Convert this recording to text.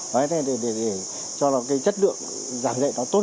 để cho chất lượng giảng dạy nó tốt hơn